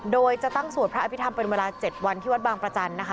โดยจะตั้งสวดพระอภิษฐรรมเป็นเวลา๗วันที่วัดบางประจันทร์นะคะ